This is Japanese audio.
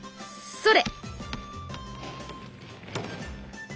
それ！